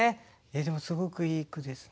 でもすごくいい句ですね。